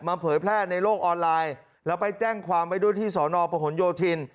เผยแพร่ในโลกออนไลน์แล้วไปแจ้งความไว้ด้วยที่สอนอประหลโยธิน